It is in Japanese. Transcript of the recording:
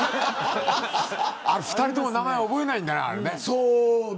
２人とも名前覚えないんだな。